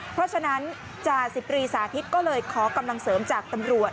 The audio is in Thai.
เพราะฉะนั้นจ่าสิบตรีสาธิตก็เลยขอกำลังเสริมจากตำรวจ